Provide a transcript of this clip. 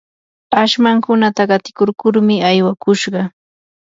ashmankunata qatikurkurmi aywakushqa.